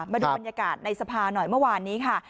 มาดูบรรยากาศในสภาหน่อยเมื่อวานนี้ค่ะ